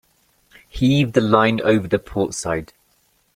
Heave the line over the port side.